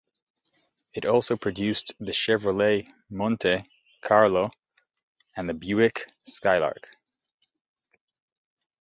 It also produced the Chevrolet Monte Carlo and the Buick Skylark.